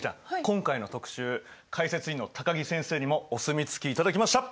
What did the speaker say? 今回の特集解説委員の高木先生にもお墨付き頂きました。